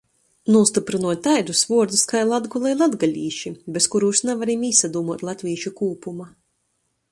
Nūstyprynoj taidus vuordus kai Latgola i latgalīši, bez kurūs navarim īsadūmuot latvīšu kūpuma.